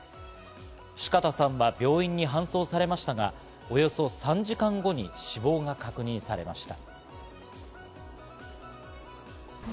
四方さんは病院に搬送されましたが、およそ３時間後に死亡が確認されました。